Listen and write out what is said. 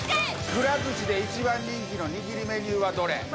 くら寿司で一番人気の握りメニューはどれ？